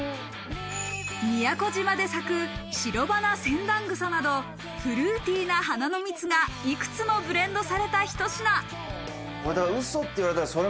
宮古島で咲くシロバナセンダングサなどフルーティーな花の蜜が、いくつもブレンドされたひと品。